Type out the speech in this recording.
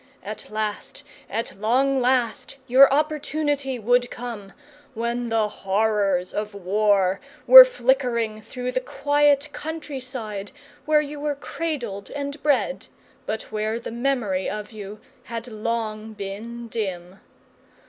At last, at long last, your opportunity would come, when the horrors of war were flickering through the quiet country side where you were cradled and bred, but where the memory of you had long been dim.